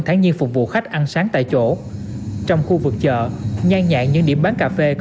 tháng nhiên phục vụ khách ăn sáng tại chỗ trong khu vực chợ nhang nhạc những điểm bán cà phê có